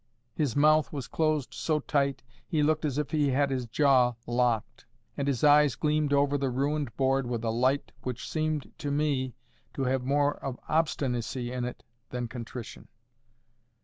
His mouth was closed so tight, he looked as if he had his jaw locked; and his eyes gleamed over the ruined board with a light which seemed to me to have more of obstinacy in it than contrition.